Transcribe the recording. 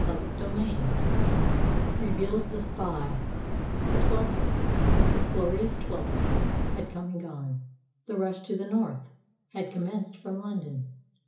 CHAPTER XVIII REVEALS THE SPY The Twelfth the glorious Twelfth had come and gone. "The rush to the North" had commenced from London.